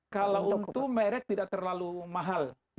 kalau untuk merek tidak terlalu mahal